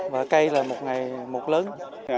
và cây là một ngày một lớn